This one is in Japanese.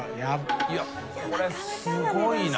いこれすごいな。